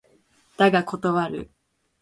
だが断る